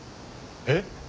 えっ？